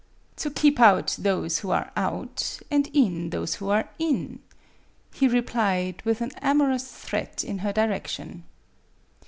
" To keep out those who are out, and in those who are in," he replied, with an amor ous threat in her direction.